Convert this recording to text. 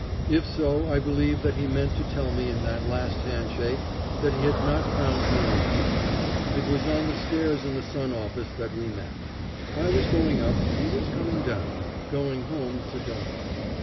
If so, I believe that he meant to tell me in that last hand shake that he had not found me wanting. It was on the stairs in the Sun office that we met. I was going up; he was coming down going home to die.